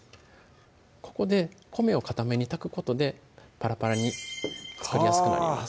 ここで米をかために炊くことでぱらぱらに作りやすくなります